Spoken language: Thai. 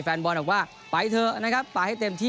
แฟนบอลบอกว่าไปเถอะนะครับไปให้เต็มที่